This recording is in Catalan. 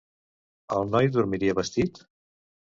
El noi dormiria vestit?